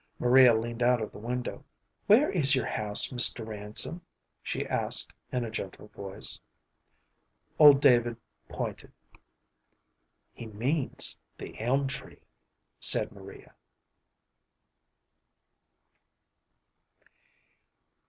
Maria leaned out of the window. "Where is your house, Mr. Ransom?" she asked, in a gentle voice. Old David pointed. "He means the elm tree," said Maria.